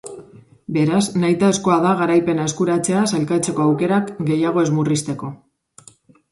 Beraz, nahitaezkoa da garaipena eskuratzea sailkatzeko aukerak gehiago ez murrizteko.